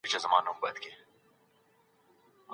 ایا د زړه د رګونو د روغتیا لپاره د زيتون تېل غوره دي؟